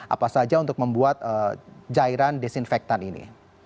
apa saja untuk membuat jairan disinfektan ini